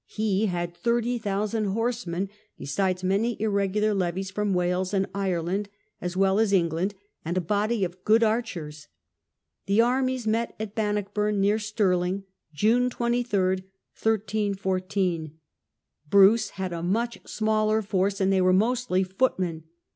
He had thirty thou sand horsemen, besides many irregular levies from Wales and Ireland as well as England, and a body of good archers. The armies met at Bannockburn, near Stirling, June 23, 1314. Bruce had a much smaller force, and they were mostly footmen.